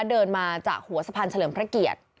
เดินมาจากหัวสะพานเฉลิมพระเกียรติ